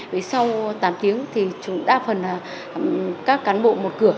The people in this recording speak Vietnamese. vì sau tám tiếng thì đa phần là các cán bộ một cửa